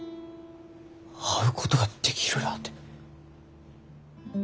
会うことができるらあて。